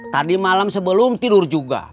tadi malam sebelum tidur juga